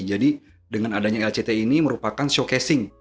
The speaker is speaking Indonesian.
jadi dengan adanya lct ini merupakan showcasing